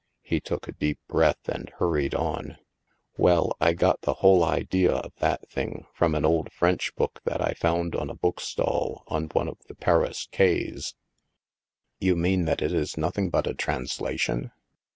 He took a deep breath, and hurried on :" Well, I got the whole idea of that thing from an old French book that I found on a bookstall on one of the Paris quais —"" You mean that it is nothing but a translation?